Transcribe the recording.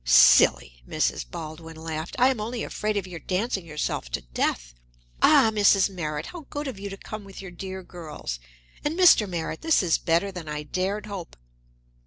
"Silly!" Mrs. Baldwin laughed. "I am only afraid of your dancing yourself to death. Ah, Mrs. Merritt, how good of you to come with your dear girls! And Mr. Merritt this is better than I dared hope."